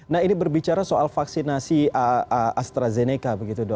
nah ini berbicara soal vaksinasi astrazeneca